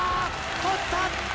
取った！